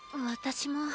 私も。